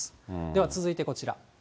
では続いてこちら。